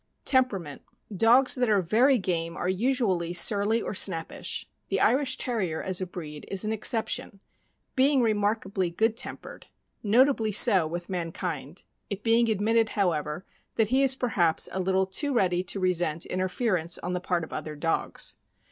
Temperament. — Dogs that are very game are usually surly or snappish. The Irish Terrier, as a breed, is an exception, being remarkably good tempered — notably so with mankind; it being admitted, however, that he is per haps a little too ready to resent interference on the part of other dogs.